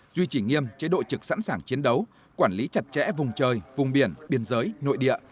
duy trì nghiêm chế độ trực sẵn sàng chiến đấu quản lý chặt chẽ vùng trời vùng biển biên giới nội địa